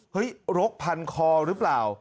โหยโรคพันคอรึเปล่า